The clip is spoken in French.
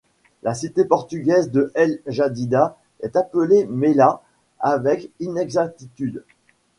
La cité Portugaise de El Jadida est appelée Mellah avec inexactitude.